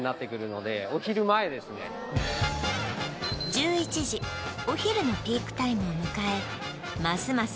１１時お昼のピークタイムを迎えますます